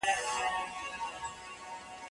ګدایان پر خزانو سول جاهلان پر منبرونو